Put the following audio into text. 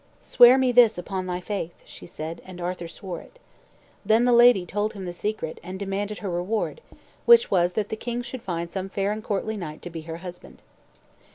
"Swear me this upon thy faith," she said, and Arthur swore it. Then the lady told him the secret, and demanded her reward, which was that the king should find some fair and courtly knight to be her husband.